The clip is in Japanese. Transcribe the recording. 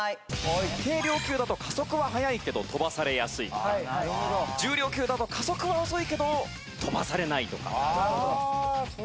軽量級だと加速は速いけど飛ばされやすいとか重量級だと加速は遅いけど飛ばされないとかあるんですね。